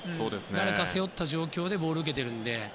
誰かを背負った状態でボールを受けているので。